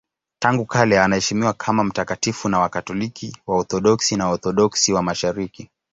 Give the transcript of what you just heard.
Tangu kale anaheshimiwa kama mtakatifu na Wakatoliki, Waorthodoksi na Waorthodoksi wa Mashariki.